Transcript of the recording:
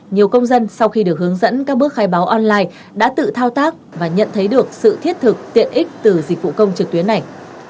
nhiều công dân sau khi được hướng dẫn các bước khai báo online đã tự thao tác và nhận thấy được sự thiết thực tiện ích từ dịch vụ công trực tuyến này